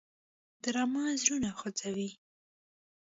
ډرامه زړونه خوځوي